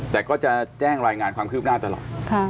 แต่ก็จะแจ้งรายงานความคืบหน้าตลอด